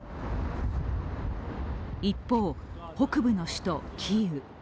一方、北部の首都キーウ。